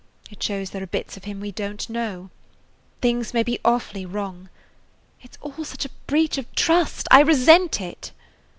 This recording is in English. It shows there are bits of him we don't know. Things may be awfully wrong. It 's all such a breach of trust! I resent it."